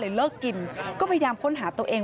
เลิกกินก็พยายามค้นหาตัวเอง